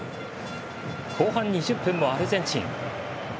後半２０分もアルゼンチン。